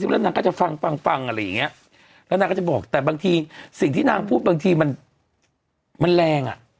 แล้วนางก็จะบอกแต่บางทีสิ่งที่นางพูดบางทีมันแรงอ่ะ